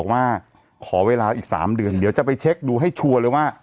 ว่าขอเวลาอีก๓เดือนเดี๋ยวจะไปเช็คดูให้ชัวร์เลยว่า